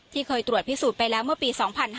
เคยตรวจพิสูจน์ไปแล้วเมื่อปี๒๕๕๙